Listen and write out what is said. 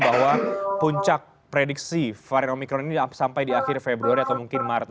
bahwa puncak prediksi varian omikron ini sampai di akhir februari atau mungkin maret